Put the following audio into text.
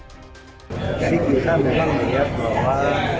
jadi kita memang melihat bahwa